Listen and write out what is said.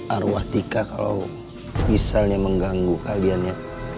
arwah tika kalau misalnya mengganggu kalian ya